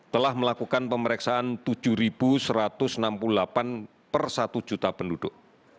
telah melakukan pemeriksaan tujuh satu ratus enam puluh delapan per satu juta penduduk